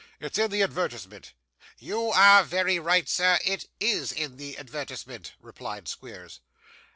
'It's in the advertisement.' 'You are very right, sir; it IS in the advertisement,' replied Squeers.